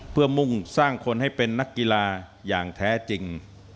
เพื่อมุ่งสร้างคนให้เป็นนักกีฬาอย่างแท้จริง